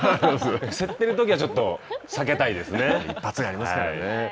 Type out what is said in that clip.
競っているときはちょっと一発がありますからね。